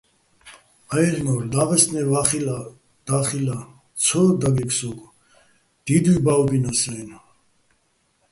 აილ'ნორ: დაღისტნე და́ხილა́ ცო დაგეგ სო́გო, დიდუჲ ბა́ვბინას-აჲნო̆.